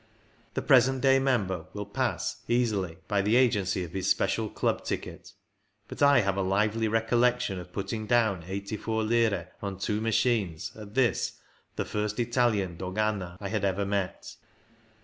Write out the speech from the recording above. The present day member will pass easily by the agency of his. ''special" Club ticket, but I have a lively recollection of putting down 84 lire on two machines at this, the first Italian dogana I had ever met.